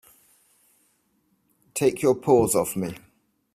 Take your paws off me!